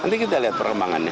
nanti kita lihat perkembangannya